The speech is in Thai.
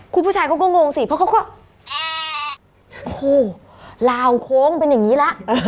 คุณผู้ชายก็งงสิเพราะเขาก็โอ้โหราวโค้งเป็นอย่างนี้แล้ว